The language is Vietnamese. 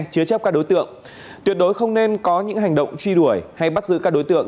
chứa chấp các đối tượng tuyệt đối không nên có những hành động truy đuổi hay bắt giữ các đối tượng